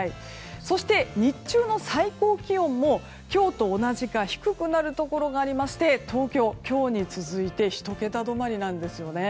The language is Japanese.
そして日中の最高気温も今日と同じか低くなるところがありまして東京、今日に続いて１桁止まりなんですよね。